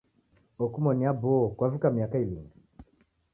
Okumoni Abo kwavika miaka ilinga?